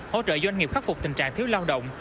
hỗ trợ doanh nghiệp khắc phục tình trạng thiếu lao động